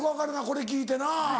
これ聞いてな。